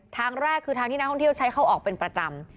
ทางแรกคือทางที่นักท่องเที่ยวใช้เข้าออกเป็นประจำ